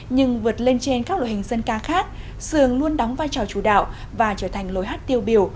nhưng vượt lên trên các loại hình dân ca khác sườn luôn đóng vai trò chủ đạo và trở thành lối hát tiêu biểu